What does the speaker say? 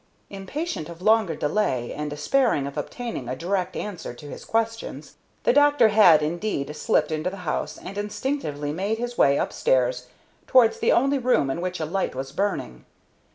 Impatient of longer delay, and despairing of obtaining a direct answer to his questions, the doctor had indeed slipped into the house and instinctively made his way up stairs towards the only room in which a light was burning.